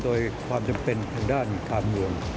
โดยความจำเป็นทางด้านการเมือง